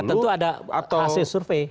tentu ada hasil survei